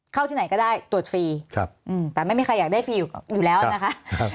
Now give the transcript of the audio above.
ที่ไหนก็ได้ตรวจฟรีแต่ไม่มีใครอยากได้ฟรีอยู่แล้วนะคะ